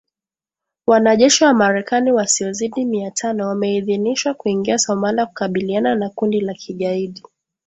Wanajeshi wa Marekani wasiozidi mia tano wameidhinishwa kuingia Somalia kukabiliana na kundi la kigaidi